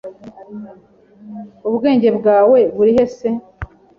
Ubwenge bwawe burihe se?